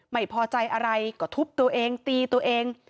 ไม่พอใจอะไรก็ทุบตัวเองตีตัวเอง